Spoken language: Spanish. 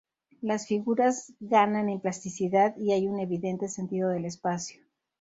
Las figuras ganan en plasticidad y hay un evidente "sentido del espacio".